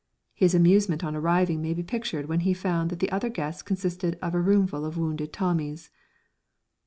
His amusement on arriving may be pictured when he found that the other guests consisted of a roomful of wounded Tommies.